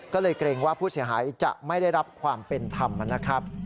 ก็เลยเกรงว่าผู้เสียหายจะไม่ได้รับความเป็นธรรมนะครับ